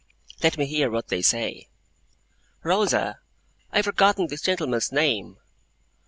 Let me hear what they say. 'Rosa, I have forgotten this gentleman's name.